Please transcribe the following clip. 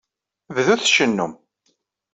Bdut tcennum.